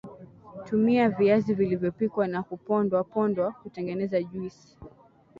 tumia Viazi vilivyopikwa na kupondwapondwa kutengeneza juisi